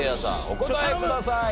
お答えください。